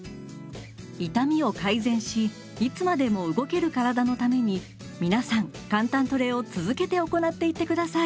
痛みを改善しいつまでも動ける体のために皆さん簡単トレを続けて行っていって下さい！